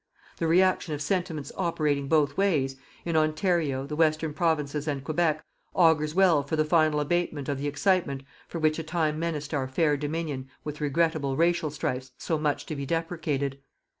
The reaction of sentiments operating both ways, in Ontario, the western Provinces and Quebec augurs well for the final abatement of the excitement which for a time menaced our fair Dominion with regrettable racial strifes so much to be deprecated.